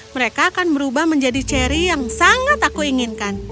mereka akan berubah menjadi cherry yang sangat aku inginkan